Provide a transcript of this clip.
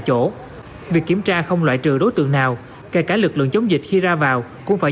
chỗ việc kiểm tra không loại trừ đối tượng nào kể cả lực lượng chống dịch khi ra vào cũng phải